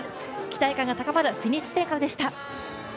期待感が高まるフィニッシュ地点からでした。